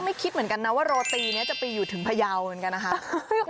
คิดเหมือนกันนะว่าโรตีนี้จะไปอยู่ถึงพยาวเหมือนกันนะคะ